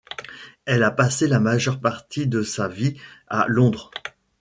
Elle a passé la majeure partie de sa vie à Londres.